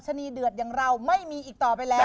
นีเดือดอย่างเราไม่มีอีกต่อไปแล้ว